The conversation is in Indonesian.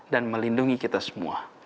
dan melindungi kita semua